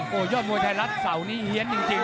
โอ้โฮยอดมวยไทยลักษณ์เสาารี่เหี้ยนจริง